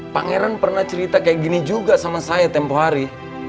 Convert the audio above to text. pangeran pernah cerita kayak gini juga sama saya tempoh hari